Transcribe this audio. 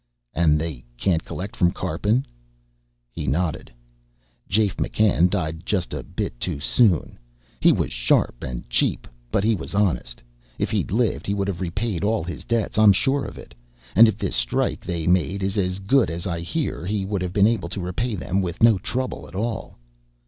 "And they can't collect from Karpin?" He nodded. "Jafe McCann died just a bit too soon. He was sharp and cheap, but he was honest. If he'd lived, he would have repaid all his debts, I'm sure of it. And if this strike they made is as good as I hear, he would have been able to repay them with no trouble at all."